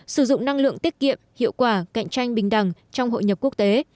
sử dụng năng lượng tiết kiệm hiệu quả cạnh tranh bình đẳng trong hội nhập quốc tế